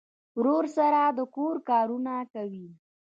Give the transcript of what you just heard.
ورور سره د کور کارونه کوي.